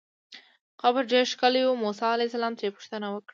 قبر ډېر ښکلی و، موسی علیه السلام ترې پوښتنه وکړه.